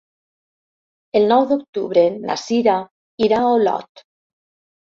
El nou d'octubre na Cira irà a Olot.